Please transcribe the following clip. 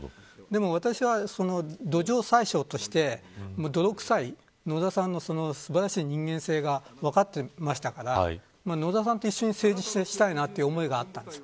でも私は土壌宰相として泥臭い野田さんの素晴らしい人間性が分かっていたので野田さんと一緒に政治したいという思いがあったんです。